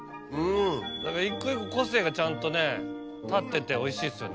一個一個個性がちゃんとね立ってておいしいですよね。